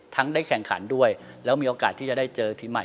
ได้แข่งขันด้วยแล้วมีโอกาสที่จะได้เจอทีมใหม่